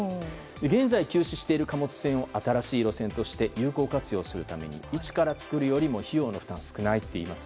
現在は休止している貨物線も新しい路線として有効活用するために一から作るよりも費用の負担が少ないといいます。